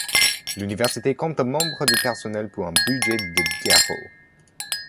L'université compte membres du personnel pour un budget de d'euros.